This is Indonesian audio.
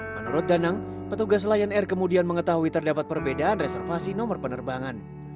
menurut danang petugas lion air kemudian mengetahui terdapat perbedaan reservasi nomor penerbangan